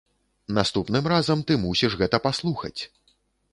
Наступным разам ты мусіш гэта паслухаць!